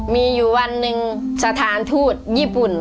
มีอยู่วันหนึ่งสถานทูตญี่ปุ่น